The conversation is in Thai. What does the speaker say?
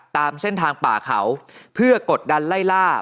ตามเส้นทางป่าเขาเพื่อกดดันไล่ล่า